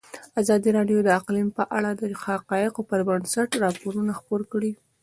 ازادي راډیو د اقلیم په اړه د حقایقو پر بنسټ راپور خپور کړی.